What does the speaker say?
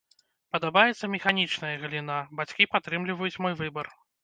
Падабаецца механічная галіна, бацькі падтрымліваюць мой выбар.